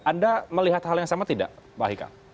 anda melihat hal yang sama tidak pak hika